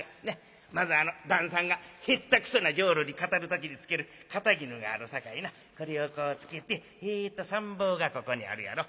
まずあの旦さんが下手くそな浄瑠璃語る時につける肩衣があるさかいなこれをこうつけてえっと三方がここにあるやろ。